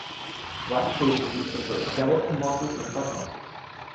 Lactate is used in both skeletal muscles and heart muscles.